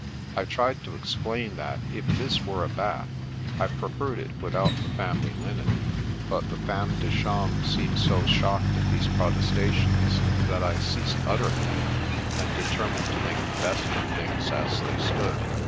I tried to explain that, if this were a bath, I pre ferred it without the family linen, but the femme de chambre seemed so shocked at these protesta tions, that I ceased uttering them, and determined to make the best of things as they stood.